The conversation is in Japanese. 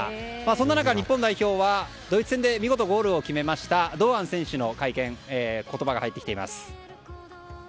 そんな中、日本代表はドイツ戦で見事ゴールを決めた堂安選手の言葉が入ってきています。